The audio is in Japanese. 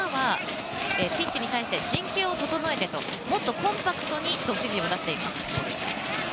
今はピッチに対して陣形を整えて、もっとコンパクトにと指示は出しています。